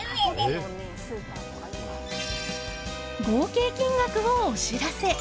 合計金額をお知らせ。